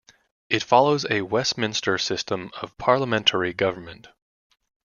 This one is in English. It follows a Westminster system of parliamentary government.